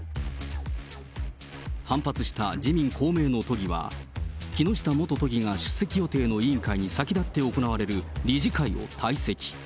反発した自民、公明の都議は、木下元都議が出席予定の委員会に先立って行われる理事会を退席。